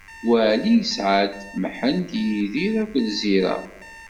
Waɛli isɛa-d: Mḥend, Yidir akked Zira.